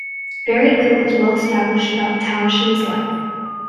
Very little is well established about Townshend's life.